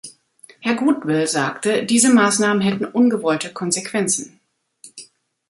Herr Goodwill sagte, diese Maßnahmen hätten ungewollte Konsequenzen.